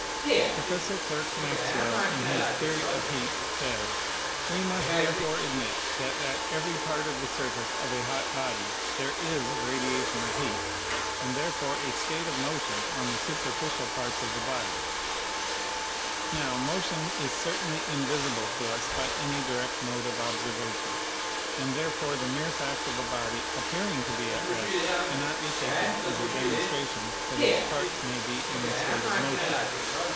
Professor Clerk Maxwell, in his 'Theory of Heat,' says : "We must therefore admit that at every part of the surface of a hot body there is radiation of heat, and therefore a state of motion on the superficial parts of the body. Now, motion is certainly invisible to us by any direct mode of 52 PHYSICS observation, and therefore the mere fact of a body appear ing to be at rest cannot be taken as a demonstration that its parts may be in a state of motion.